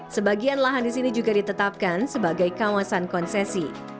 sebagian lahan di sini juga ditetapkan sebagai kawasan konsesi